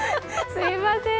すいません。